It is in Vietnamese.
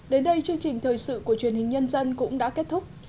đến đây chương trình thời sự của truyền hình nhân dân cũng đã kết thúc